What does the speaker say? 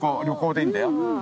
旅行でいいんだよ。